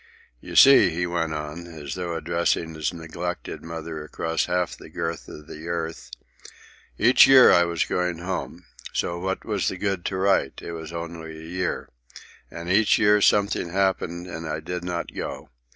"You see," he went on, as though addressing his neglected mother across half the girth of the earth, "each year I was going home. So what was the good to write? It was only a year. And each year something happened, and I did not go.